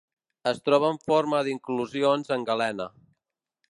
Es troba en forma d'inclusions en galena.